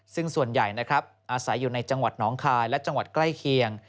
ซึ่งส่วนใหญ่นะครับอาศัยอยู่ในจังหวัดน้องคายและจังหวัดใกล้เคียง